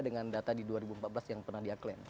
dengan data di dua ribu empat belas yang pernah dia klaim